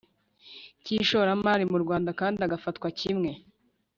cy ishoramari mu Rwanda kandi agafatwa kimwe